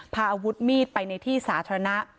พาอาวุธมีดไปในที่สาธารณะ